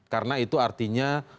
karena itu artinya